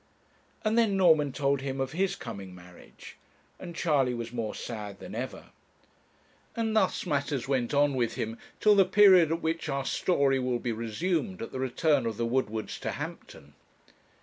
And then Norman told him of his coming marriage, and Charley was more sad than ever. And thus matters went on with him till the period at which our story will be resumed at the return of the Woodwards to Hampton.